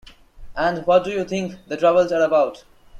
And what do you think the troubles are about?